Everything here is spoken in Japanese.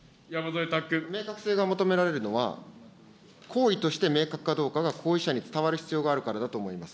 明確性が求められるのは、行為として明確かどうかが行為者に伝わる必要があるからだと思います。